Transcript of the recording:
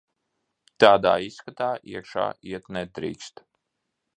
Tādā izskatā iekšā iet nedrīkst.